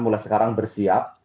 mulai sekarang bersiap